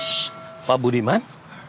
shhh pak budiman